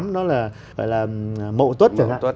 nó là mậu tuất